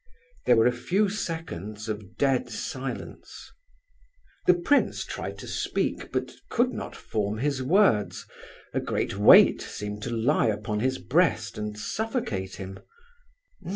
There were a few seconds of dead silence. The prince tried to speak, but could not form his words; a great weight seemed to lie upon his breast and suffocate him.